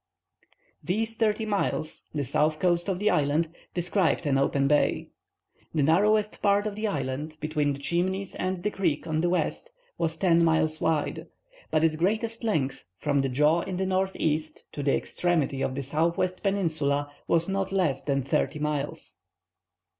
These thirty miles, the southern coast of the island, described an open bay. The narrowest part of the island, between the Chimneys and the creek, on the west, was ten miles wide, but its greatest length, from the jaw in the northeast to the extremity of the southwestern peninsula, was not less than thirty miles.